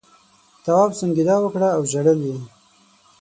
تواب سونگېدا وکړه او ژړل یې.